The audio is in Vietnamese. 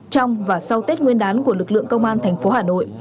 trong và sau tết nguyên đán của lực lượng công an thành phố hà nội